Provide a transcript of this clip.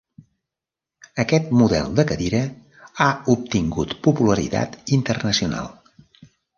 Aquest model de cadira ha obtingut popularitat internacional.